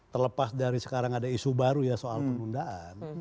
terlepas dari sekarang ada isu baru ya soal penundaan